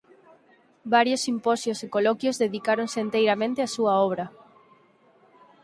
Varios simposios e coloquios dedicáronse enteiramente á súa obra.